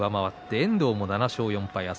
遠藤も７勝４敗。